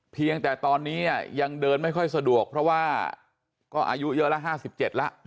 เพียงแต่ตอนนี้ยังเดินไม่ค่อยสะดวกเพราะว่าก็อายุเยอะแล้ว๕๗แล้ว